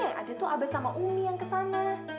yang ada tuh abah sama umi yang kesana